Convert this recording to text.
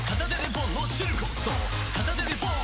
片手でポン！